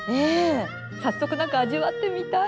早速何か味わってみたい！